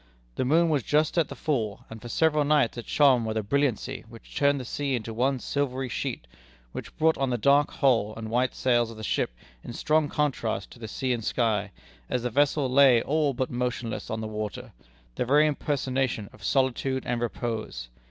The moon was just at the full, and for several nights it shone with a brilliancy which turned the sea into one silvery sheet, which brought out the dark hull and white sails of the ship in strong contrast to the sea and sky, as the vessel lay all but motionless on the water, the very impersonation of solitude and repose.